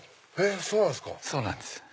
そうなんですか？